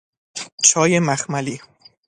چای مخملی